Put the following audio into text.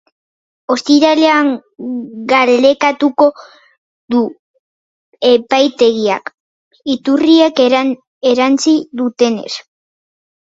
Ostiralean galdekatuko du epaitegiak, iturriek erantsi dutenez.